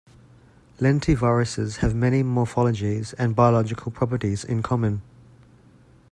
Lentiviruses have many morphologies and biological properties in common.